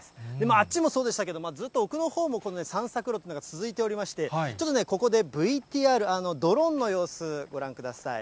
あっちもそうでしたけど、ずっと奥のほうも散策路が続いておりまして、ちょっとね、ここでＶＴＲ、ドローンの様子、ご覧ください。